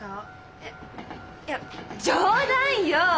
えっいや冗談よ！